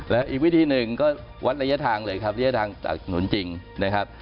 และอีกวิธีหนึ่งก็วัดระยะทางเลยครับระยะทางจากถนนจริงนะครับ